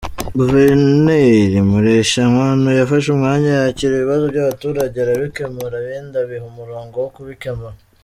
Guverineri Mureshyankwano yafashe umwanya yakira ibibazo by’abaturage, arabikemura, ibindi abiha umurongo wo kubikemura.